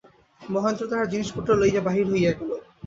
মহেন্দ্র তাহার জিনিসপত্র লইয়া বাহির হইয়া গেল।